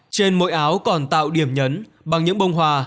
trên mỗi áo còn tạo điểm nhấn bằng những bông hoa